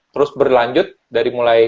terus berlanjut dari mulai